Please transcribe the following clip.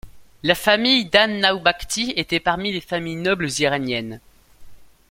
La famille d’an-Nawbakhtî était parmi les familles nobles iraniennes.